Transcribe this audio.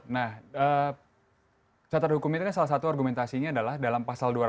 nah catatan hukum itu kan salah satu argumentasinya adalah dalam pasal dua ratus